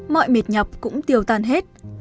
mọi mệt nhọc cũng tiêu toàn hết